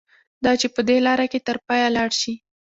دا چې په دې لاره کې تر پایه لاړ شي.